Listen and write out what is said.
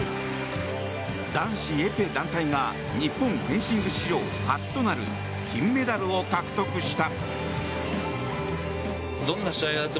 男子エペ団体が日本フェンシング史上初となる金メダルを獲得した。